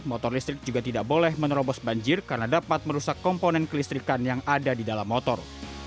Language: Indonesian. motor listrik juga tidak boleh menerobos banjir karena dapat merusak komponen kelistrikan yang ada di dalam motor